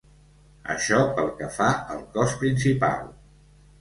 Això pel que fa al cos principal.